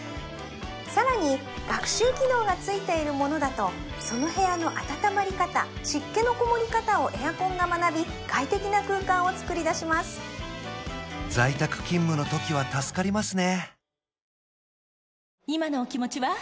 更に学習機能が付いているものだとその部屋の暖まり方湿気のこもり方をエアコンが学び快適な空間を作り出します在宅勤務のときは助かりますね